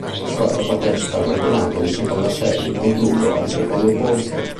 La squadra partecipa al campionato di seconda serie concluso al secondo posto.